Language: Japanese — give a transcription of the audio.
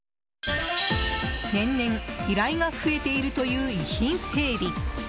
年々、依頼が増えているという遺品整理。